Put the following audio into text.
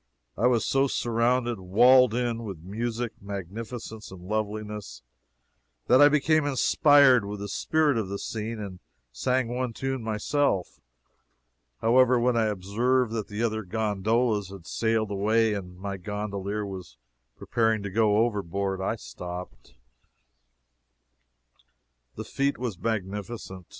I was so surrounded, walled in, with music, magnificence and loveliness, that I became inspired with the spirit of the scene, and sang one tune myself. However, when I observed that the other gondolas had sailed away, and my gondolier was preparing to go overboard, I stopped. The fete was magnificent.